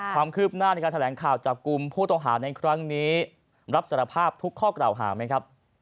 ความคืบหน้าในการแถลงข่าวจับกลุ่มผู้ต้องหาในครั้งนี้รับสารภาพทุกข้อกล่าวหาไหมครับ